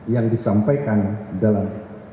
yang disampaikan dalam